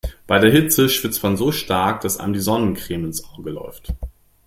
Bei der Hitze schwitzt man so stark, dass einem die Sonnencreme ins Auge läuft.